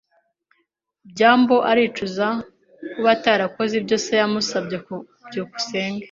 byambo aricuza kuba atarakoze ibyo se yamusabye. byukusenge